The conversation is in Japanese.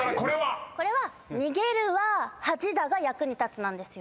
これは「逃げるは恥だが役に立つ」なんですよ。